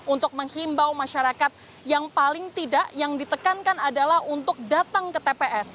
untuk menghimbau masyarakat yang paling tidak yang ditekankan adalah untuk datang ke tps